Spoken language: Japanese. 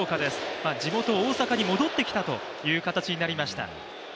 地元・大阪に戻ってきたという形になりました。